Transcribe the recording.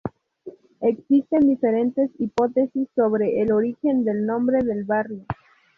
Existen diferentes hipótesis sobre el origen del nombre del barrio.